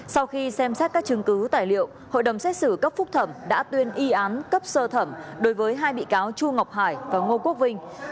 sau khi xem xét các chứng cứ tài liệu hội đồng xét xử cấp phúc thẩm đã tuyên y án cấp sơ thẩm đối với hai bị cáo chu ngọc hải và ngô quốc vinh